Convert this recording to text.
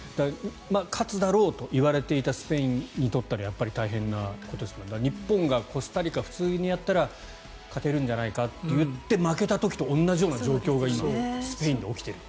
勝つだろうといわれていたスペインにとったら大変なことですから日本がコスタリカ普通にやったら勝てるんじゃないかっていって負けた時と同じような状況が今、スペインで起きていると。